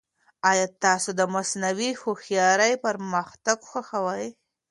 ایا تاسو د مصنوعي هوښیارۍ پرمختګ خوښوي؟